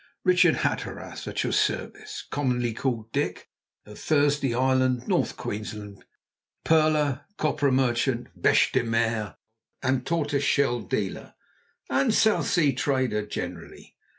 Richard Hatteras, at your service, commonly called Dick, of Thursday Island, North Queensland, pearler, copra merchant, bêche de mer and tortoiseshell dealer, and South Sea trader generally.